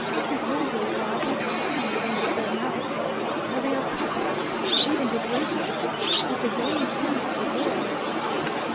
Behold, O God, they cry unto thee with their mouths, while they are puffed up, even to greatness, with the vain things of the world.